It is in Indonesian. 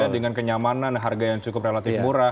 dengan kenyamanan harga yang cukup relatif murah